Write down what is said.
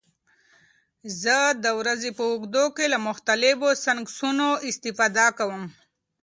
زه د ورځې په اوږدو کې له مختلفو سنکسونو استفاده کوم.